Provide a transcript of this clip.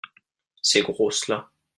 Ces grosses-là.